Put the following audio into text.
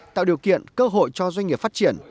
tạo điều kiện cơ hội cho doanh nghiệp phát triển